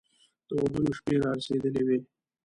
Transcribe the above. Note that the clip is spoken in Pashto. د ودونو شپې را رسېدلې وې.